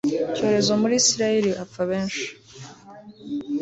icyorezo muri Isirayeli hapfa benshi